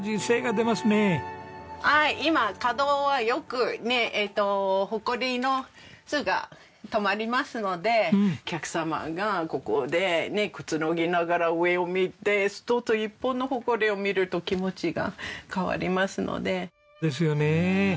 今角はよくねほこりがたまりますのでお客様がここでくつろぎながら上を見て一つ一本のほこりを見ると気持ちが変わりますので。ですよね。